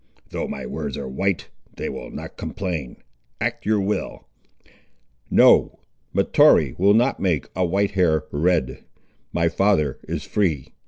Though my words are white, they will not complain. Act your will." "No. Mahtoree will not make a white hair red. My father is free.